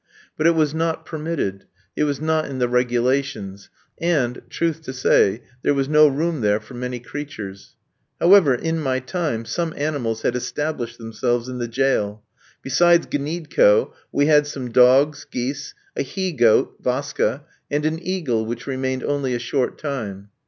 But it was not permitted; it was not in the regulations; and, truth to say, there was no room there for many creatures. However, in my time some animals had established themselves in the jail. Besides Gniedko, we had some dogs, geese, a he goat Vaska and an eagle, which remained only a short time.